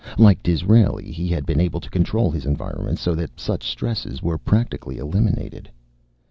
Like Disraeli, he had been able to control his environment so that such stresses were practically eliminated.